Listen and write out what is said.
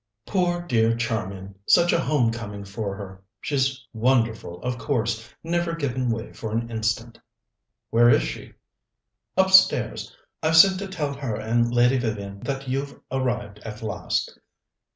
Poor dear Charmian! such a home coming for her! She's wonderful, of course never given way for an instant." "Where is she?" "Upstairs. I've sent to tell her and Lady Vivian that you've arrived at last."